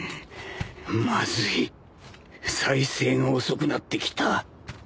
まずい再生が遅くなってきた